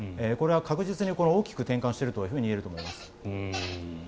これは確実に大きく転換していると言えると思います。